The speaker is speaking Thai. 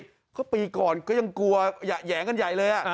เพราะปีก่อนก็ยังกลัวอย่างใหญ่เลย